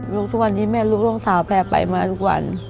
ทุกวันนี้แม่ลูกน้องสาวแพร่ไปมาทุกวัน